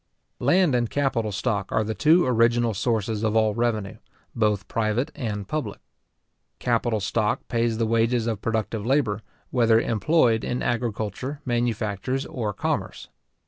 Land and capital stock are the two original sources of all revenue, both private and public. Capital stock pays the wages of productive labour, whether employed in agriculture, manufactures, or commerce.